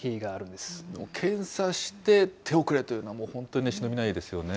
でも検査して手遅れというのは、本当にしのびないですよね。